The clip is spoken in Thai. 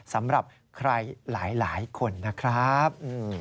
สำหรับใครหลายคนนะครับ